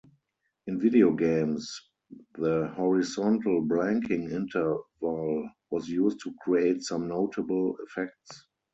In video games, the horizontal blanking interval was used to create some notable effects.